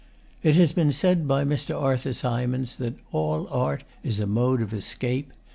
It has been said by Mr. Arthur Symons that 'all art is a mode of escape.